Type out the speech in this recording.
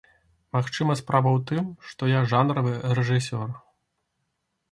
Магчыма справа ў тым, што я жанравы рэжысёр.